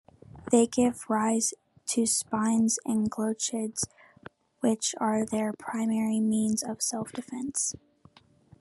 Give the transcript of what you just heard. They give rise to spines and glochids, which are their primary means of self-defense.